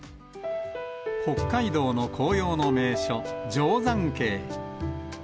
北海道の紅葉の名所、定山渓。